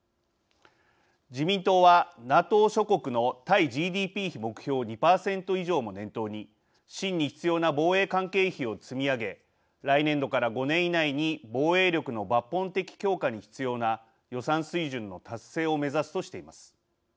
自民党はＮＡＴＯ諸国の対ＧＤＰ比目標２％以上も念頭に真に必要な防衛関係費を積み上げ来年度から５年以内に防衛力の抜本的強化に必要な予算水準の達成を目指すとしています。